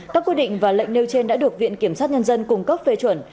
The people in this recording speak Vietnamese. các quy định và lệnh nêu trên đã được viện kiểm sát nhân dân cung cấp phê chuẩn